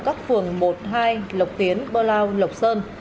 các phường một hai lộc tiến bơ lao lộc sơn